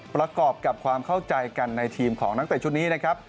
ประกอบกับความเข้าใจกันในทีมของนักเตะชุดนี้นะครับ